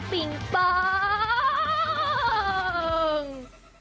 ปิงปอง